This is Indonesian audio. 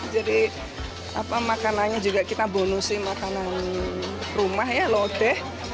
jadi makanannya juga kita bonusin makanan rumah ya lodeh